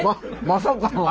まさかの。